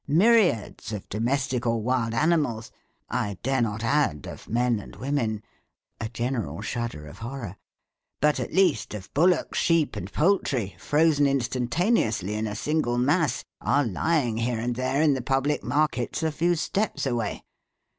Myriads of domestic or wild animals I dare not add, of men and women (a general shudder of horror) but at least of bullocks, sheep and poultry, frozen instantaneously in a single mass, are lying here and there in the public markets a few steps away.